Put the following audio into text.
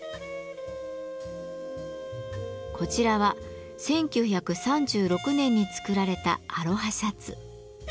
こちらは１９３６年に作られたアロハシャツ。